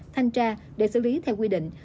thanh tra để xử lý theo quy định